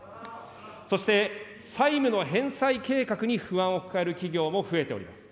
そして債務の返済計画に不安を抱える企業も増えております。